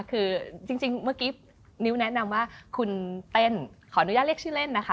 คือจริงเมื่อกี้นิ้วแนะนำว่าคุณเต้นขออนุญาตเรียกชื่อเล่นนะคะ